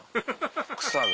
草が。